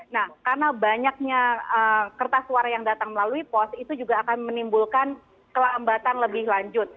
nah karena banyaknya kertas suara yang datang melalui pos itu juga akan menimbulkan kelambatan lebih lanjut